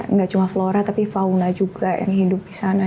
nggak cuma flora tapi fauna juga yang hidup di sana